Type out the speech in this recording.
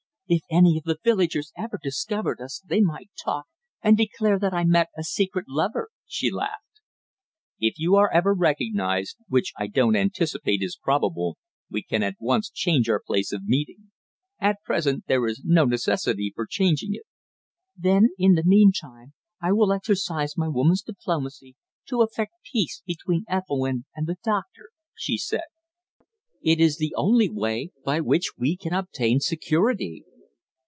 "If any of the villagers ever discovered us they might talk, and declare that I met a secret lover," she laughed. "If you are ever recognised, which I don't anticipate is probable, we can at once change our place of meeting. At present there is no necessity for changing it." "Then, in the meantime, I will exercise my woman's diplomacy to effect peace between Ethelwynn and the doctor," she said. "It is the only way by which we can obtain security."